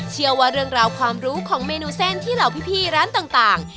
เชื่อว่าเรื่องราวความรู้ของเมนูเส้นที่เหล่าพี่ร้านต่าง